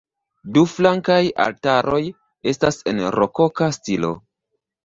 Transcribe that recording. Du flankaj altaroj estas en rokoka stilo.